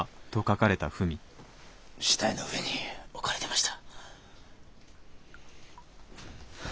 死体の上に置かれてました。